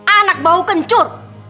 anak bau kencur